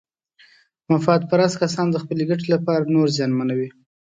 مفاد پرست کسان د خپلې ګټې لپاره نور زیانمنوي.